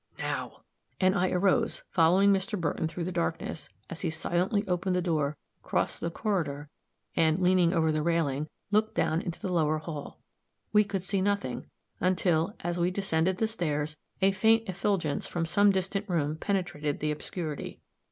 "Now," and I arose, following Mr. Burton through the darkness, as he silently opened the door, crossed the corridor, and, leaning over the railing, looked down into the lower hall. We could see nothing, until, as we descended the stairs, a faint effulgence from some distant room penetrated the obscurity.